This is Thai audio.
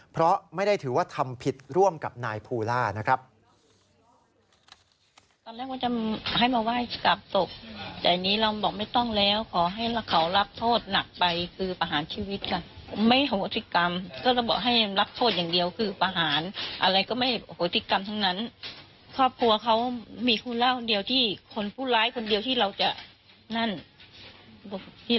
เพราะไม่ได้ถือว่าทำผิดร่วมกับนายภูล่านะครับ